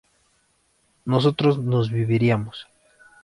nosotros no viviríamos